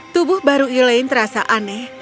tubuh baru elaine terasa aneh